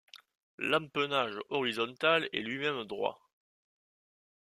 L'empennage horizontal est lui-même droit.